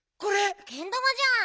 けん玉じゃん。